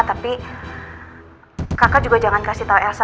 tapi kakak juga jangan kasih tahu elsa